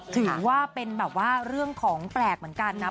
ถือว่าเป็นแบบว่าเรื่องของแปลกเหมือนกันนะ